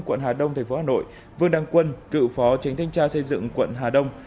quận hà đông tp hà nội vương đăng quân cựu phó tránh thanh tra xây dựng quận hà đông